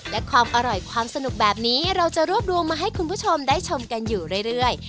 และความอร่อยความสนุกแบบนี้เราจะรวบรวมมาให้คุณผู้ชมได้ชมกันอยู่เรื่อย